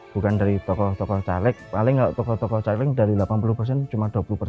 bukan dari tokoh tokoh caleg paling tidak tokoh tokoh caleg dari delapan puluh cuma dua puluh